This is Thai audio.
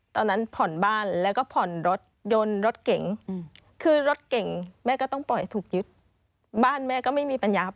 ตอนนั้นผ่อนบ้านแล้วก็ผ่อนรถยนต์รถเก๋งคือรถเก่งแม่ก็ต้องปล่อยถูกยึดบ้านแม่ก็ไม่มีปัญญาครับ